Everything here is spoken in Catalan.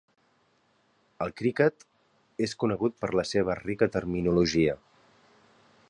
El criquet és conegut per la seva rica terminologia.